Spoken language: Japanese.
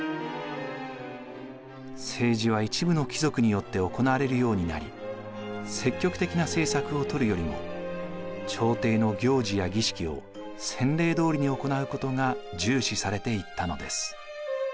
政治は一部の貴族によって行われるようになり積極的な政策をとるよりも朝廷の行事や儀式を先例どおりに行うことが重視されていったのです。